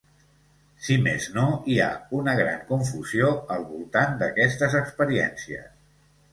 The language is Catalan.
Si més no, hi ha una gran confusió al voltant d'aquestes experiències.